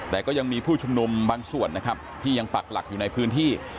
แต่ก็ยังมีผู้ชุมนุมบางส่วนนะครับที่ยังปักหลักอยู่ในพื้นที่